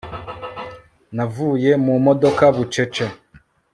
navuye mu modoka bucece